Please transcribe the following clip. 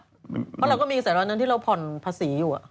เพราะเราก็มีกระแสร้อนนั้นที่เราผ่อนภาษีอยู่